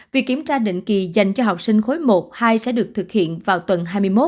việc kiểm tra định kỳ dành cho học sinh khối một hai sẽ được thực hiện vào tuần hai mươi một